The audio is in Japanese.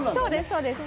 そうです。